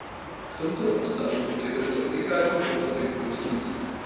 V tomto stavu je tento unikátní prototyp dosud.